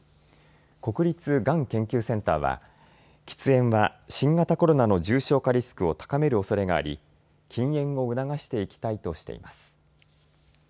国立がん研究センターは喫煙は新型コロナの重症化リスクを高めるおそれがあり禁煙を促していきたいとしています。